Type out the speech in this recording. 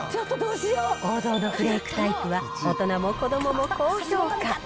王道のフレークタイプは、大人も子どもも高評価。